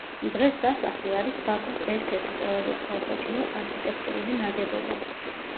დღეს სასახლე არის ბაქოს ერთ-ერთი ყველაზე თვალსაჩინო არქიტექტურული ნაგებობა.